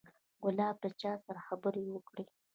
ګلاب له چا سره خبرې وکړې.